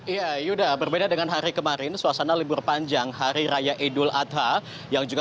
ya yuda berbeda dengan hari kemarin suasana libur panjang hari raya idul adha yang juga